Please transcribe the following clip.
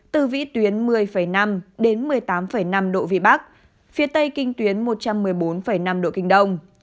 từ vĩ tuyến một mươi năm đến một mươi tám năm độ vị bắc phía tây kinh tuyến một trăm một mươi bốn năm độ kinh đông